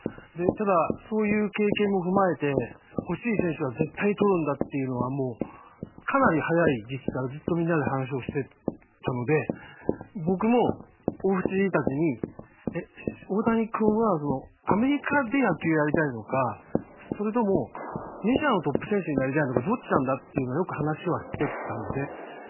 ただそういう経験も踏まえて欲しい選手は絶対にとるんだっていうのはもうかなり早い時期からずっとみんなで話をしてたので僕も大渕たちに大谷君はアメリカで野球をやりたいのかそれともメジャーのトップ選手になりたいのかどっちなんだっていうのをよく話はしてたんですね。